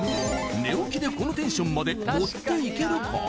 寝起きでこのテンションまで持っていけるか？